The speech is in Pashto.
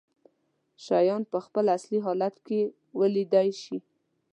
شيان په خپل اصلي حالت کې ولیدلی شي.